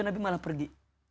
nabi saw malah pergi